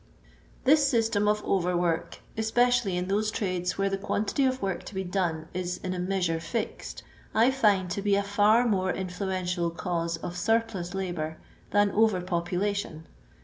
This system of overwork, especially in those trades where the quantity of work to be done is in a measure fixed, I find to be a far more in fluential cause of surplus hibour than " over population."